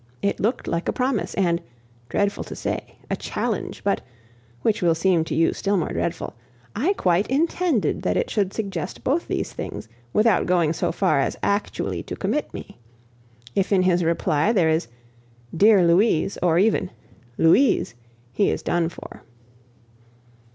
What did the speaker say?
It looked like a promise and dreadful to say a challenge; but which will seem to you still more dreadful I quite intended that it should suggest both these things, without going so far as actually to commit me. If in his reply there is "Dear Louise!" or even "Louise," he is done for!